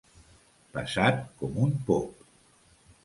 Pesat com un pop.